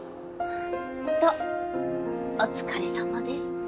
ホントお疲れさまです。